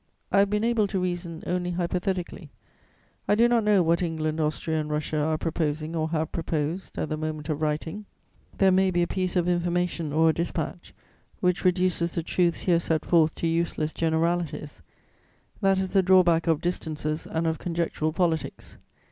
I have been able to reason only hypothetically; I do not know what England, Austria and Russia are proposing, or have proposed, at the moment of writing; there may be a piece of information or a dispatch which reduces the truths here set forth to useless generalities: that is the drawback of distances and of conjectural politics.